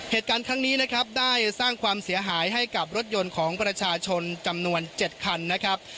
เหตุการณ์ครั้งนี้นะครับได้สร้างความเสียหายให้กับรถยนต์ของประชาชนจำนวน๗คันนะครับ